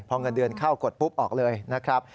พอเงินเดือนเข้ากดปุ๊บออกเลยนะครับ